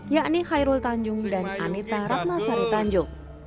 yakni khairul tanjung dan anita ratnasari tanjung